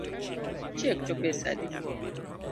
Rabolo mochiek to pesa adi?